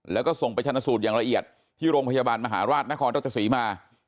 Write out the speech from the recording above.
แล้วก็ส่งไปชนะสูตรอย่างละเอียดที่โรงพยาบาลมหาราชนครรัชศรีมา